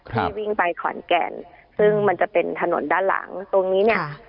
ที่วิ่งไปขอนแก่นซึ่งมันจะเป็นถนนด้านหลังตรงนี้เนี่ย